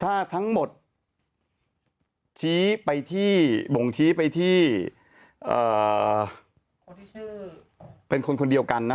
ถ้าทั้งหมดบ่งชี้ไปที่เป็นคนคนเดียวกันนะ